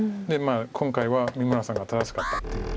今回は三村さんが正しかったという。